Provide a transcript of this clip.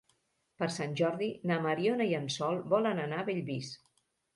Per Sant Jordi na Mariona i en Sol volen anar a Bellvís.